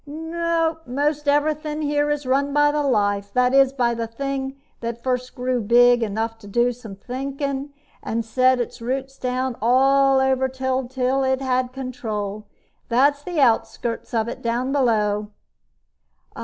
"Nope. Most everything here is run by the Life that is, by the thing that first grew big enough to do some thinking, and set its roots down all over until it had control. That's the outskirts of it down below."